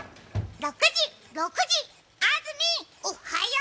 ６時、６時、安住、おはよう！